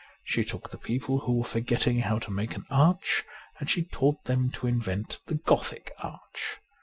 She took the people who were forgetting how to make an arch, and she taught them to invent the Gothic arch.